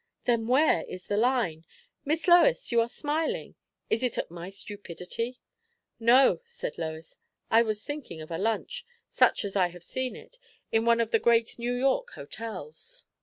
"Then where is the line? Miss Lois, you are smiling. Is it at my stupidity?" "No," said Lois. "I was thinking of a lunch such as I have seen it in one of the great New York hotels."